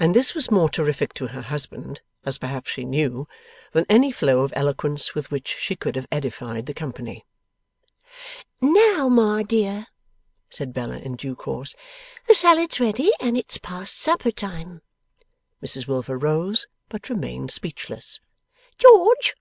And this was more terrific to her husband (as perhaps she knew) than any flow of eloquence with which she could have edified the company. 'Now, Ma dear,' said Bella in due course, 'the salad's ready, and it's past supper time.' Mrs Wilfer rose, but remained speechless. 'George!